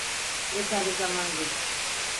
Yeterli zaman yok.